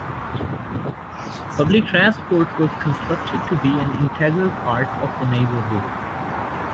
Public transport was constructed to be an integral part of the neighbourhood.